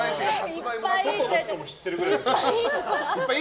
外の人も知ってるぐらい。